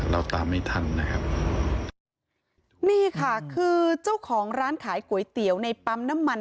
เราตามไม่ทันนะครับนี่ค่ะคือเจ้าของร้านขายก๋วยเตี๋ยวในปั๊มน้ำมัน